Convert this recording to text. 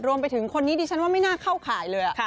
รวมไปถึงคนนี้ดิฉันว่าไม่น่าเข้าข่ายเลยอ่ะ